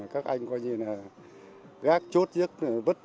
các anh coi như là gác chốt nhất